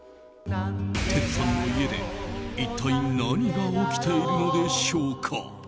テツさんの家で一体何が起きているのでしょうか。